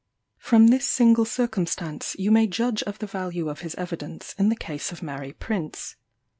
From this single circumstance you may judge of the value of his evidence in the case of Mary Prince.